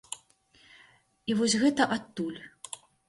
І вось гэта адтуль.